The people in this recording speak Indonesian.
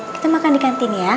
kita makan di kantin ya